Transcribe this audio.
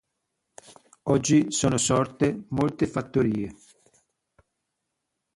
Oggi sono sorte molte fattorie.